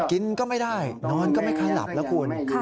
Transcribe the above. กินก็ไม่ได้นอนก็ไม่ค่อยหลับแล้วคุณ